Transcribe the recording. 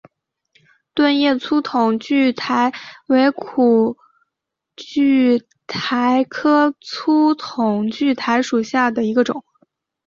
盾叶粗筒苣苔为苦苣苔科粗筒苣苔属下的一个种。